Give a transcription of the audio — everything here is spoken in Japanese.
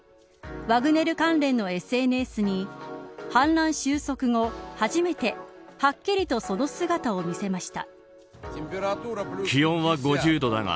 ワグネル関連のＳＮＳに反乱終息後、初めてはっきりとその姿を見せました。